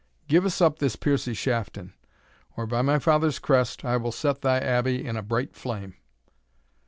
Give us up this Piercie Shafton, or by my father's crest I will set thy Abbey in a bright flame!"